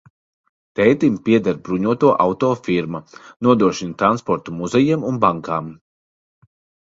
Tētim pieder bruņoto auto firma, nodrošina transportu muzejiem un bankām.